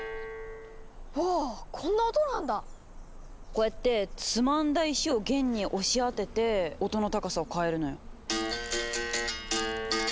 こうやってつまんだ石を弦に押し当てて音の高さを変えるのよ。